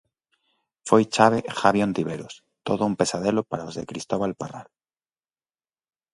Foi chave Javi Ontiveros, todo un pesadelo para os de Cristóbal Parralo.